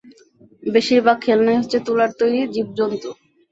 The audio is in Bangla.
বেশির ভাগ খেলনাই হচ্ছে তুলার তৈরী জীবজন্তু।